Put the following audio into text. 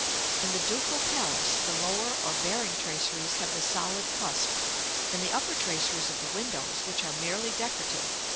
In the Ducal Palace, the lower or bearing traceries have the solid cusp, and the upper traceries of the windows, which are merely decorative.